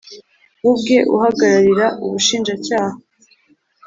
we ubwe uhagararira Ubushinjacyaha